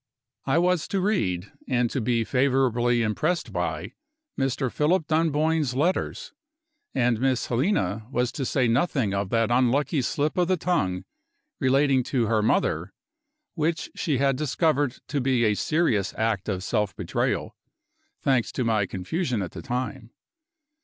I was to read, and to be favorably impressed by, Mr. Philip Dunboyne's letters; and Miss Helena was to say nothing of that unlucky slip of the tongue, relating to her mother, which she had discovered to be a serious act of self betrayal thanks to my confusion at the time.